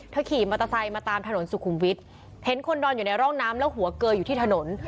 ขี่มอเตอร์ไซค์มาตามถนนสุขุมวิทย์เห็นคนนอนอยู่ในร่องน้ำแล้วหัวเกยอยู่ที่ถนน